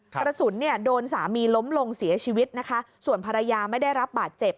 กระสุนเนี่ยโดนสามีล้มลงเสียชีวิตนะคะส่วนภรรยาไม่ได้รับบาดเจ็บ